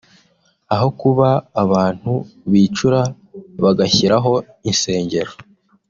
aho kuba abantu bicura bagashyiraho insengero